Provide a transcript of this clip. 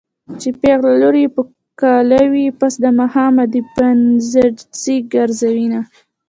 چې پېغله لور يې په کاله وي پس د ماښامه دې پنځډزی ګرځوينه